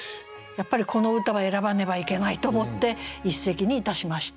やっぱりこの歌は選ばねばいけないと思って一席にいたしました。